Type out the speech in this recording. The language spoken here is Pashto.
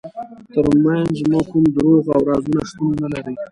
ترمنځ مو کوم دروغ او رازونه شتون ونلري.